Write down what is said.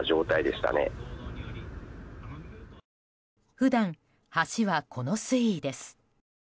普段、橋はこの水位です。